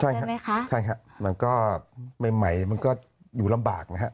ใช่ครับใช่ฮะมันก็ใหม่มันก็อยู่ลำบากนะฮะ